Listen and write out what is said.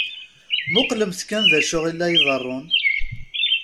Muqlemt kan d acu i la iḍeṛṛun.